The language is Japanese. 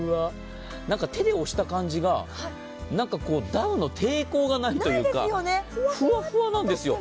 なんか手で押した感じがダウンの抵抗がないというか、ふわふわなんですよ。